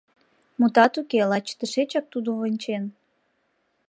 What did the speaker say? Мутат уке, лач тышечак тудо вончен.